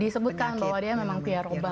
disebutkan bahwa dia memang pierre robin gitu kan